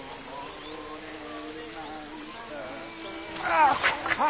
ああ！